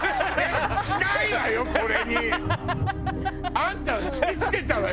あんた突き付けたわよ